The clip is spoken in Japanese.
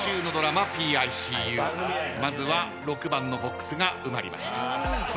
まずは６番のボックスが埋まりました。